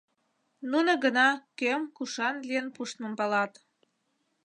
Нуно гына кӧм кушан лӱен пуштмым палат...